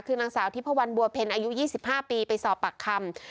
คือนางสาวทิพวันบัวเพ็ญอายุ๒๕ปีไปสอบปากคำ